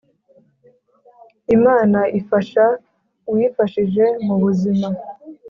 Imana ifasha uwifashije mu buzima.